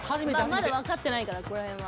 ［まだわかってないからここら辺は］